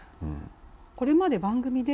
これまで番組で。